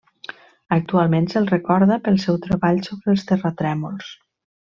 Actualment se'l recorda pel seu treball sobre els terratrèmols.